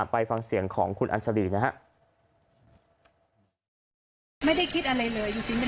ไปฟังเสียงของคุณอันสรีนะครับ